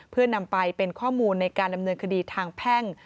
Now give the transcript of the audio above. เพื่อนำไปเป็นข้อมูลในการดำเนินคดีทางแพ่ง